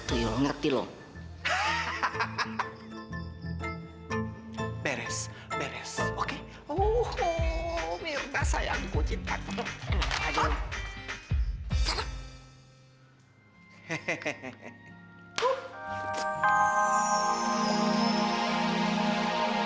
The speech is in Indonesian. tuyul ngerti lo hahaha beres beres oke uhuh mirna sayangku cinta kamu aja